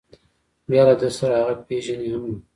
بیا له ده سره هغه پېژني هم نه.